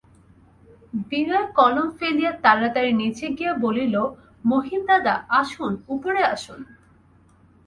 বিনয় কলম ফেলিয়া তাড়াতাড়ি নীচে গিয়া বলিল, মহিমদাদা, আসুন, উপরে আসুন।